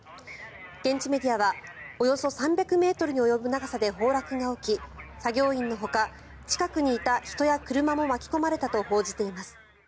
現地メディアはおよそ３００ｍに及ぶ長さで崩落が起き作業員のほか近くにいた人や車も巻き込まれたと報じています。